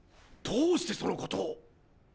どうしてそのことを！